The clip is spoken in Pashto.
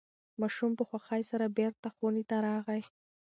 ماشوم په خوښۍ سره بیرته خونې ته راغی.